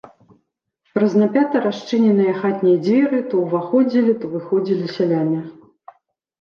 Праз напята расчыненыя хатнія дзверы то ўваходзілі, то выходзілі сяляне.